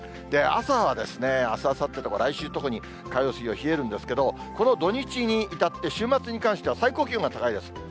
朝は、あすあさってとも来週特に、火曜、水曜冷えるんですけれども、この土日に至って、週末に関して最高気温が高いです。